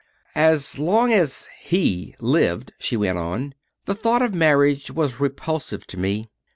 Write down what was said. "As long as he lived," she went on, "the thought of marriage was repulsive to me.